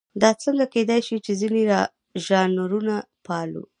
دا څنګه کېدای شي چې ځینې ژانرونه پالو.